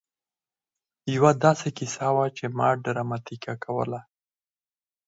يوه داسې کيسه وه چې ما ډراماتيکه کوله.